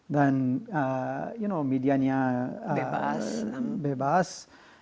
dan medianya bebas